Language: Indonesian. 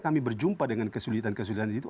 kami berjumpa dengan kesulitan kesulitan itu